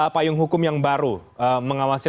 payung hukum yang baru mengawasi